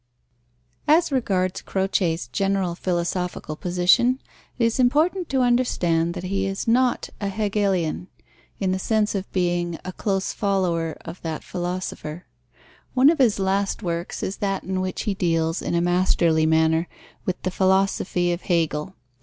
As regards Croce's general philosophical position, it is important to understand that he is not a Hegelian, in the sense of being a close follower of that philosopher. One of his last works is that in which he deals in a masterly manner with the philosophy of Hegel.